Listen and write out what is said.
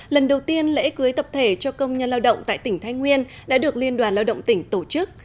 lần đầu tiên lễ cưới tập thể cho công nhân lao động tại tỉnh thái nguyên đã được liên đoàn lao động tỉnh tổ chức